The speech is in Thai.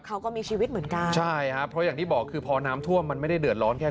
เขาก็มีชีวิตเหมือนกันใช่ครับเพราะอย่างที่บอกคือพอน้ำท่วมมันไม่ได้เดือดร้อนแค่